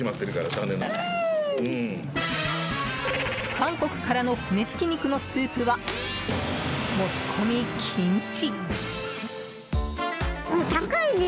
韓国からの骨付き肉のスープは持ち込み禁止。